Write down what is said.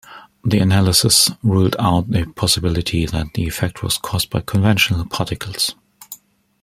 The analysis ruled out the possibility that the effect was caused by conventional particles.